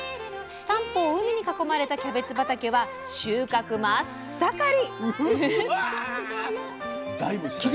三方を海に囲まれたキャベツ畑は収穫真っ盛り！